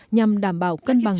nhằm đảm bảo cân bằng